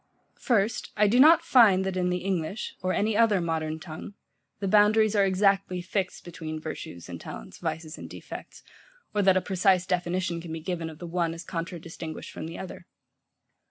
First, I do not find that in the English, or any other modern tongue, the boundaries are exactly fixed between virtues and talents, vices and defects, or that a precise definition can be given of the one as contradistinguished from the other.